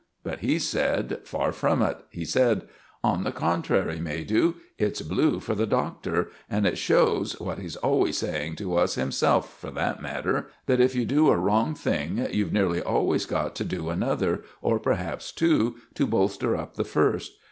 But he said, far from it. He said— "On the contrary, Maydew. It's blue for the Doctor; and it shows—what he's always saying to us himself, for that matter—that if you do a wrong thing, you've nearly always got to do another, or perhaps two, to bolster up the first.